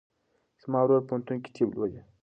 زما ورور په پوهنتون کې طب لولي.